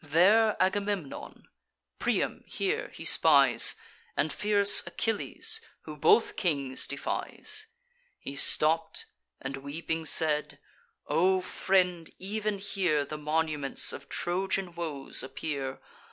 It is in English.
There Agamemnon, Priam here, he spies, And fierce Achilles, who both kings defies. He stopp'd, and weeping said: "O friend! ev'n here The monuments of Trojan woes appear!